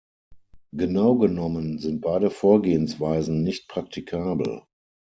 Genau genommen sind beide Vorgehensweisen nicht praktikabel.